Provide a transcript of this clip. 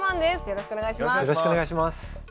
よろしくお願いします。